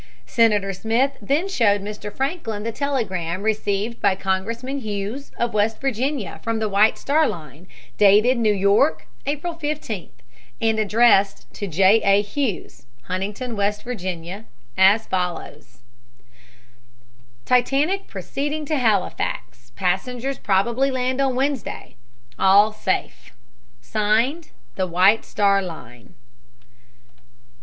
Senator Smith then showed Mr. Franklin the telegram received by Congressman Hughes, of West Virginia, from the White Star Line, dated New York, April 15th, and addressed to J. A. Hughes, Huntington, W. Va., as follows: "Titanic proceeding to Halifax. Passengers probably land on Wednesday. All safe. (Signed) "THE WHITE STAR LINE.